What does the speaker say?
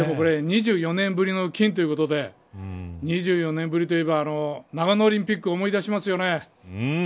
２４年ぶりの金ということで２４年ぶりといえば長野オリンピックを思い出しますよね。